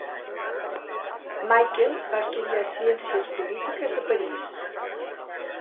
Michael va estudiar ciències polítiques a París.